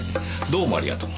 どうもありがとう。